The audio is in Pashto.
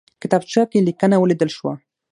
کتابچه کې لیکنه ولیدل شوه.